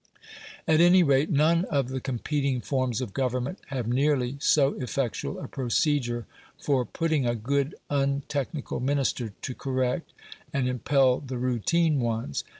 At any rate, none of the competing forms of government have nearly so effectual a procedure for putting a good untechnical Minister to correct and impel the routine ones.